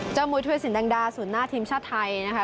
เจ้ามวยถุยสินดังดากองหน้าทีมชาติไทยนะคะ